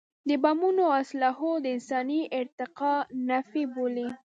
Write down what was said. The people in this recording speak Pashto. د بمونو او اسلحو د انساني ارتقا نفي بولي.